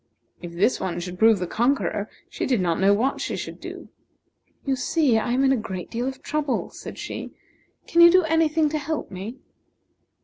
If this one should prove the conqueror, she did not know what she should do. "You see, I am in a great deal of trouble," said she. "Can you do any thing to help me?"